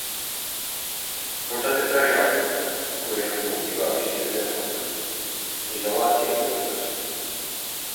Un tad ir trešā grupa, kuriem būtībā viss ir vienalga. Izolācija turpinās.